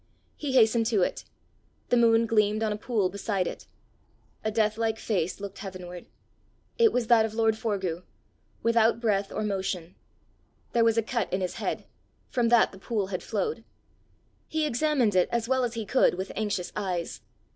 He hastened to it. The moon gleamed on a pool beside it. A death like face looked heavenward: it was that of lord Forgue without breath or motion. There was a cut in his head: from that the pool had flowed. He examined it as well as he could with anxious eyes.